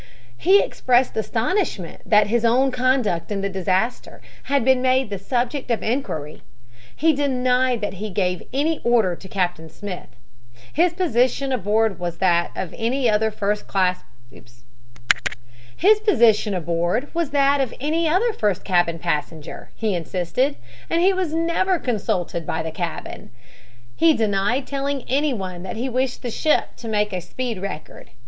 He expressed astonishment that his own conduct in the disaster had been made the subject of inquiry. He denied that he gave any order to Captain Smith. His position aboard was that of any other first cabin passenger, he insisted, and he was never consulted by the captain. He denied telling anyone that he wished the ship to make a speed record.